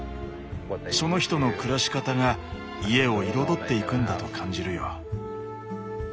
その人の暮らし方が家を彩っていくんだと感じるよ。